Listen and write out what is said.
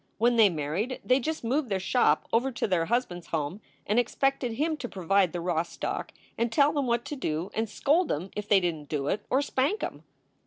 When they married they just moved their shop over to their husband s home, and expected him to provide the raw stock and tell them what to do and scold em if they didn t do it, or spank em."